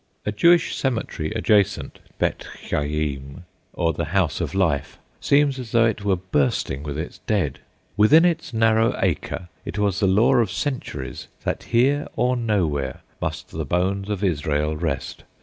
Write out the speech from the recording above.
A Jewish cemetery adjacent, "Bethchajim, or the House of Life," seems as though it were bursting with its dead. Within its narrow acre it was the law of centuries that here or nowhere must the bones of Israel rest.